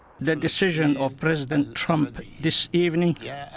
pertemuan presiden trump hari ini